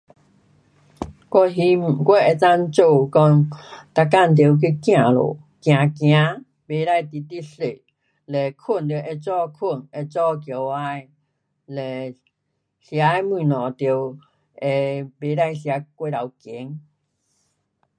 我希，我能够做讲每天得去走路。走走，不可直直坐。嘞，睡得会早睡，会早起来。嘞，吃的东西得呃，不可吃过头咸。